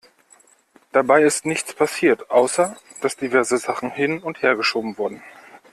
Dabei ist nichts passiert, außer dass diverse Sachen hin- und hergeschoben wurden.